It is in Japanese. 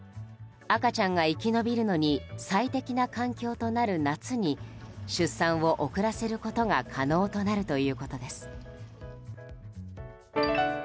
赤ちゃんが生き延びるのに最適な環境となる夏に出産を遅らせることが可能となるということです。